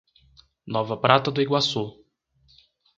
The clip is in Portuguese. Nova Prata do Iguaçu